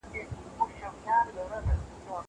زه اوږده وخت کتابتوننۍ سره تېرووم!!